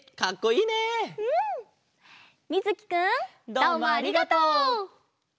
どうもありがとう！